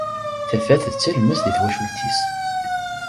Tafat d talemmast di twacult-is.